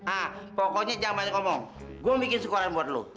ah pokoknya jangan ngomong gue bikin sekolah buat lo